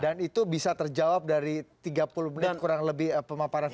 dan itu bisa terjawab dari tiga puluh menit kurang lebih pemaparan